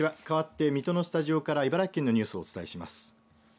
かわって水戸のスタジオから茨城県のニュースをお伝えします。